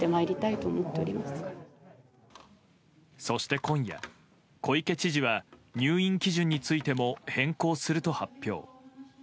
そして今夜、小池知事は入院基準についても変更すると発表。